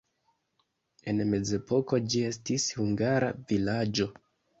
En mezepoko ĝi estis hungara vilaĝo.